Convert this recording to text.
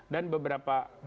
dan beberapa lain